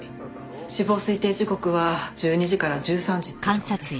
死亡推定時刻は１２時から１３時ってところです。